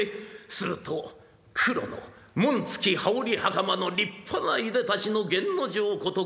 すると黒の紋付き羽織袴の立派ないでたちの源之丞こと